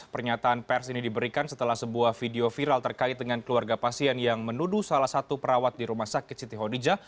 pernyataan pers ini diberikan setelah sebuah video viral terkait dengan keluarga pasien yang menuduh salah satu perawat di rumah sakit siti hodijah